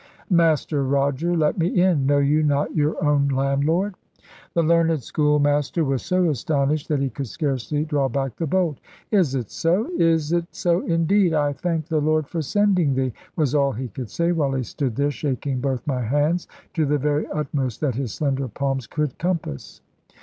"Master Roger, let me in. Know you not your own landlord?" The learned schoolmaster was so astonished that he could scarcely draw back the bolt. "Is it so? Is it so indeed? I thank the Lord for sending thee," was all he could say, while he stood there shaking both my hands to the very utmost that his slender palms could compass.